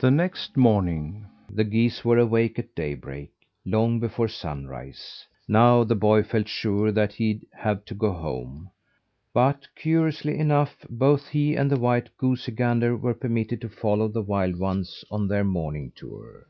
The next morning the geese were awake at daybreak, long before sunrise. Now the boy felt sure that he'd have to go home; but, curiously enough, both he and the white goosey gander were permitted to follow the wild ones on their morning tour.